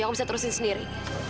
aku bisa terusin sendiri